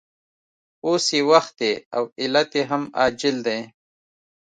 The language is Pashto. اوس یې وخت دی او علت یې هم عاجل دی